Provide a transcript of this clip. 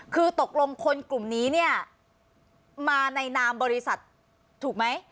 คือตกลงคนกลุ่มนี้เนี่ยมาในนามบริษัทถูกไหม